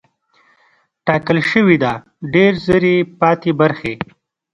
ټاکل شوې ده ډېر ژر یې پاتې برخې